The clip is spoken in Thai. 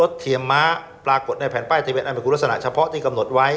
เทียมม้าปรากฏในแผ่นป้ายทะเบียนอันเป็นคุณลักษณะเฉพาะที่กำหนดไว้